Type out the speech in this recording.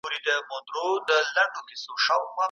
د خلکو وژنه بې ساري وه.